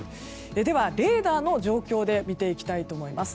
では、レーダーの状況で見ていきたいと思います。